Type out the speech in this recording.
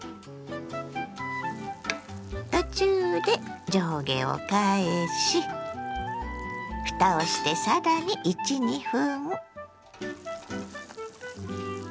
途中で上下を返しふたをしてさらに１２分。